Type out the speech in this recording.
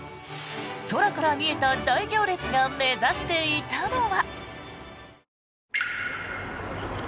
空から見えた大行列が目指していたのは。